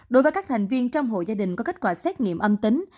đối với các thành viên trong hội gia đình có kết quả xét nghiệm âm tính